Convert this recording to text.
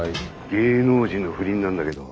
芸能人の不倫なんだけど。